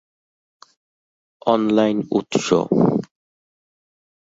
online উৎস